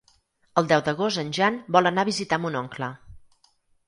El deu d'agost en Jan vol anar a visitar mon oncle.